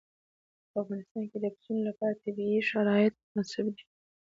په افغانستان کې د پسونو لپاره طبیعي شرایط مناسب دي.